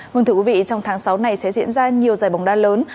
mừng thưa quý vị trong tháng sáu này sẽ diễn ra nhiều giải bóng đá lớn